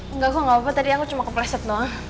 enggak aku gak apa apa tadi aku cuma kepleset